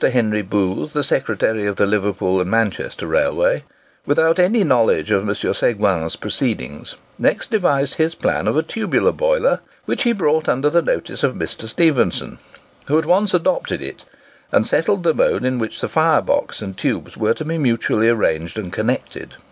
Henry Booth, the secretary of the Liverpool and Manchester Railway, without any knowledge of M. Seguin's proceedings, next devised his plan of a tubular boiler, which he brought under the notice of Mr. Stephenson, who at once adopted it, and settled the mode in which the fire box and tubes were to be mutually arranged and connected.